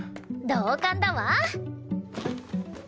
同感だわ。